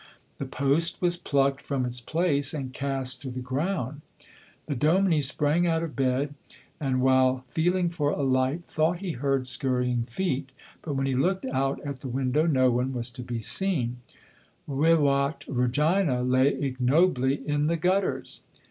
the post was plucked from its place and cast to the ground. The dominie sprang out of bed, and while feeling for a light, thought he heard scurrying feet, but when he looked out at the window no one was to be seen; Vivat Regina lay ignobly in the gutters.